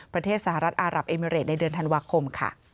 ประเทศสหรัฐอารับเอมิเรดในเดือนธันวาคมค่ะ